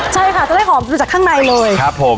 ใช่ค่ะจะได้หอมจากข้างในเลย